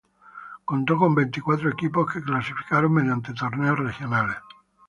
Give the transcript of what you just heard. Contó con veinticuatro equipos que clasificaron mediante torneos regionales.